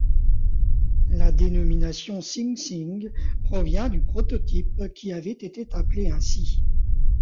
La dénomination SingSing provient du prototype qui avait été appelé ainsi.